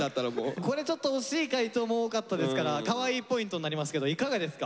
これちょっと惜しい解答も多かったですからカワイイポイントになりますけどいかがですか？